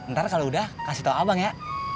ntar kalau udah kasih tau abang ya